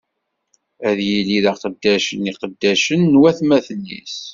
Ad yili d aqeddac n iqeddacen n watmaten-is!